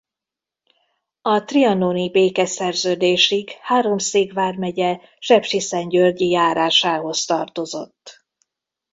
A trianoni békeszerződésig Háromszék vármegye Sepsiszentgyörgyi járásához tartozott.